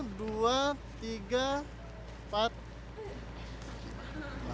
aduh perut gue sakit banget